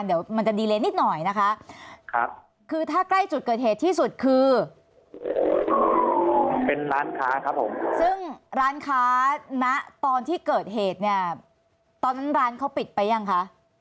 เป็นร้านค้าครับผมซึ่งร้านค้านะตอนที่เกิดเหตุเนี่ยตอนนั้นร้านเขาปิดไปยังคะ